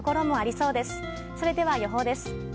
それでは予報です。